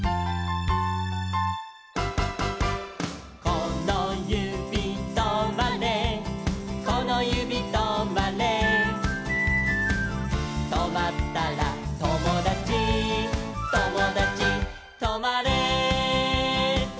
「このゆびとまれこのゆびとまれ」「とまったらともだちともだちとまれ」